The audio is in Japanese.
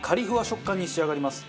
食感に仕上がります。